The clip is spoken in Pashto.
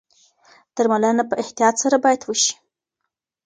درملنه په احتیاط سره باید وشي.